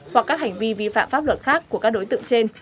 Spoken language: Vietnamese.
hoặc các hành vi vi phạm pháp luật khác của các đối tượng trên